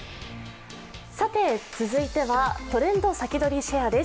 続いては「トレンドさきどり＃シェア」です。